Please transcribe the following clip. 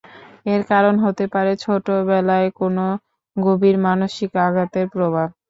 এর কারণ হতে পারে, ছোটবেলায় কোন গভীর মানসিক আঘাতের প্রভাব।